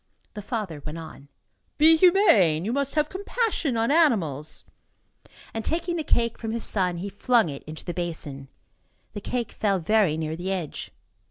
The father went on: "Be humane. You must have compassion on animals." And, taking the cake from his son, he flung it into the basin. The cake fell very near the edge.